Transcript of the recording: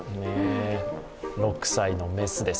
６歳の雌です。